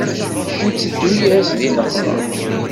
Nteddu-yas di nneqma.